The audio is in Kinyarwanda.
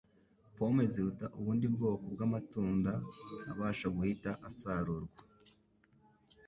Pome ziruta ubundi bwoko bw’amatunda abasha guhita asarurwa.